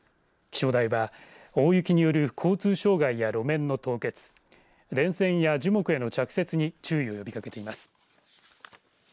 気象台は大雪による交通障害や路面の凍結電線や樹木への着雪に注意を呼びかけています。